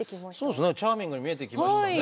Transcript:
そうですねチャーミングに見えてきましたね。